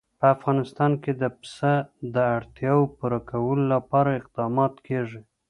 په افغانستان کې د پسه د اړتیاوو پوره کولو لپاره اقدامات کېږي.